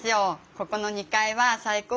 ここの２階は最高です。